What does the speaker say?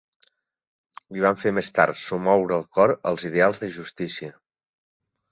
Li van fer més tard somoure el cor els ideals de justícia